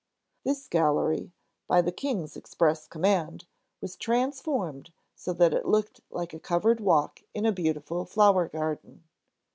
This gallery, by the King's express command, was transformed so that it looked like a covered walk in a beautiful flower garden.